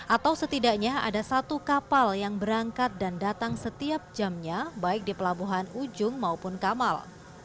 atau setidaknya ada satu kapal yang berangkat dan datang setiap jamnya baik di pelabuhan ujung maupun kamal